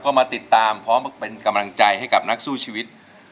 ก็มาติดตามพร้อมเป็นกำลังใจให้กับนักสู้ชีวิต